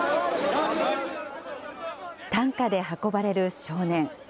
担架で運ばれる少年。